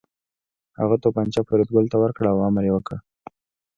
هغه توپانچه فریدګل ته ورکړه او امر یې وکړ